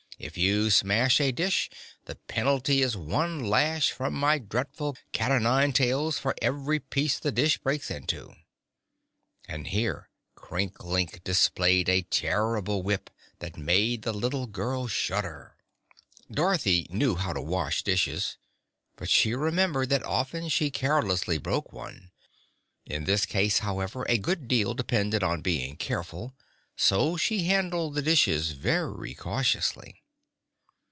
If you smash a dish, the penalty is one lash from my dreadful cat o' nine tails for every piece the dish breaks into," and here Crinklink displayed a terrible whip that made the little girl shudder. Dorothy knew how to wash dishes, but she remembered that often she carelessly broke one. In this case, however, a good deal depended on being careful, so she handled the dishes very cautiously.